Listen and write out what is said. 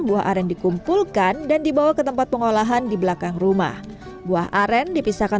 buah aren dikumpulkan dan dibawa ke tempat pengolahan di belakang rumah buah aren dipisahkan